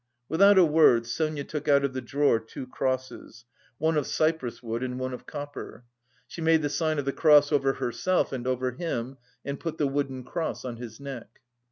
Without a word Sonia took out of the drawer two crosses, one of cypress wood and one of copper. She made the sign of the cross over herself and over him, and put the wooden cross on his neck.